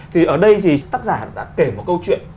thì ở đây thì tác giả đã kể một câu chuyện